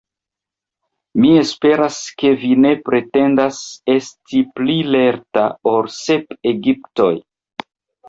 Mi esperas, ke vi ne pretendas esti pli lerta ol sep Egiptoj!